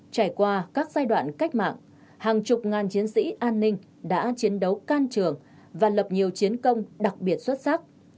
trải qua các giai đoạn cách mạng hàng chục ngàn chiến sĩ an ninh đã chiến đấu can trường và lập nhiều chiến công đặc biệt xuất sắc